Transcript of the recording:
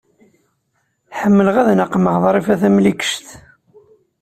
Ḥemmleɣ ad naqmeɣ Ḍrifa Tamlikect.